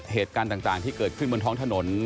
เหตุการณ์ต่างที่เกิดขึ้นบนท้องถนน